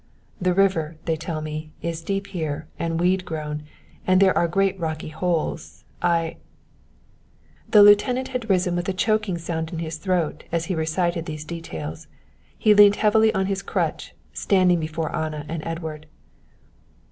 The river, they tell me, is deep here and weed grown and there are great rocky holes. I " The lieutenant had risen with a choking sound in his throat as he recited these details. He leant heavily on his crutch, standing before Anna and Edward.